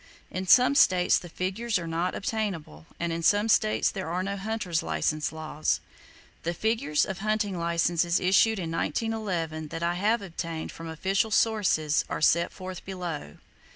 In some states the figures are not obtainable, and in some states there are no hunters' license laws. The figures of hunting licenses issued in 1911 that I have obtained from official sources are set forth below.